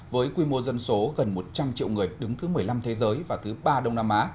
với quy mô dân số gần một trăm linh triệu người đứng thứ một mươi năm thế giới và thứ ba đông nam á